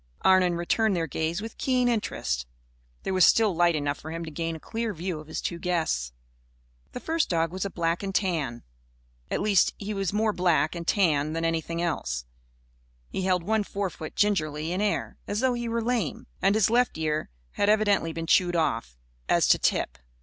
Arnon returned their gaze with keen interest. There was still light enough for him to gain a clear view of his two guests. The first dog was a black and tan. At least, he was more black and tan than anything else. He held one forefoot gingerly in air, as though he were lame. And his left ear had evidently been chewed off, as to tip.